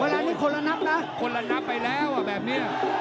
ไม่รายในคนละนับในอุ่นคนละนับไปแล้วหรอกว่าแบบนี้